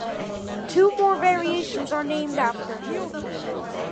Two more variations are named after him.